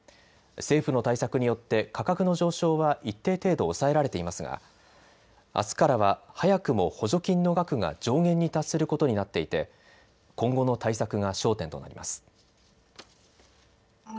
政府の対策によって価格の上昇は一定程度抑えられていますがあすからは早くも補助金の額が上限に達することになっていて今後の対策が焦点となります。